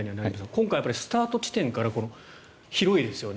今回はスタート地点から広いですよね。